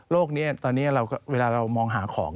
นี้ตอนนี้เวลาเรามองหาของ